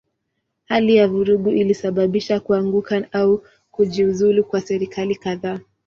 Hali ya vurugu ilisababisha kuanguka au kujiuzulu kwa serikali kadhaa.